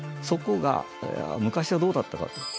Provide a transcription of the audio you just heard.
そこが昔はどうだったかと。